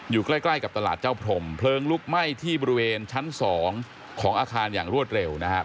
อยู่ใกล้ใกล้กับตลาดเจ้าพรมเพลิงลุกไหม้ที่บริเวณชั้นสองของอาคารอย่างรวดเร็วนะครับ